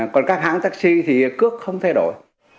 còn các hãng taxi thì cước không thay đổi